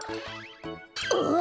あっ！